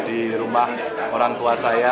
di rumah orang tua saya